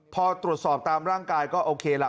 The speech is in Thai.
พอตรวจสอบตามร่างกายก็โอเคล่ะ